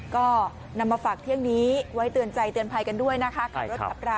ก็นำมาฝากเที่ยงนี้ไว้เตือนใจเตือนภัยกันด้วยนะคะ